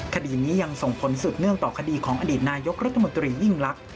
คดีนี้ยังส่งผลสืบเนื่องต่อคดีของอดีตนายกรัฐมนตรียิ่งลักษณ